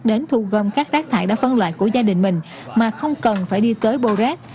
đến thu gom các rác thải đã phân loại của gia đình mình mà không cần phải đi tới bô rác